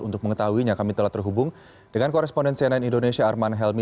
untuk mengetahuinya kami telah terhubung dengan koresponden cnn indonesia arman helmi